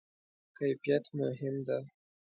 کیفیت مهم ده؟